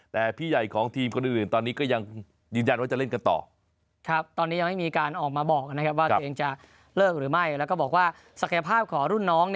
แต่พี่ใหญ่ของทีมคนอื่นตอนนี้ก็ยัง